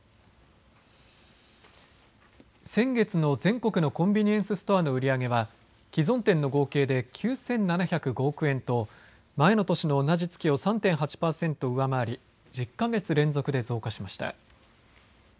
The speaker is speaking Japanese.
先月の全国のコンビニエンスストアの売り上げは既存店の合計で９７０５億円と前の年の同じ月を３．８％上回り１０か月連続で増加しました。